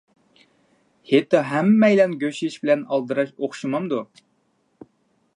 ھېيتتا ھەممەيلەن گۆش يېيىش بىلەن ئالدىراش ئوخشىمامدۇ؟